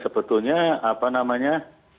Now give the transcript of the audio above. sebetulnya apa namanya